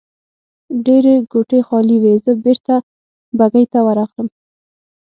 ډېرې کوټې خالي وې، زه بېرته بګۍ ته ورغلم.